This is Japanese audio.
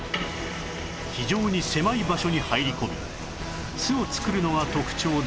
非常に狭い場所に入り込み巣を作るのが特徴で